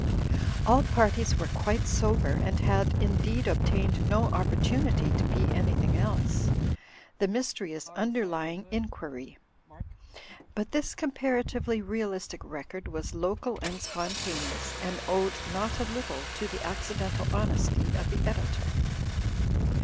All parties were quite sober, and had indeed obtained no opportimity to be an3rthing else. The mystery is imderlying inquiry/' But this comparatively realistic record was local and spontaneous, and owed not a little to the accidental honesty of the editor.